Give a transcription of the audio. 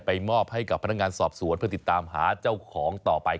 มอบให้กับพนักงานสอบสวนเพื่อติดตามหาเจ้าของต่อไป